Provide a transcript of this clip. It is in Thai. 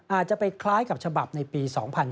อาจจะไปคล้ายกับฉบับในปี๒๕๕๙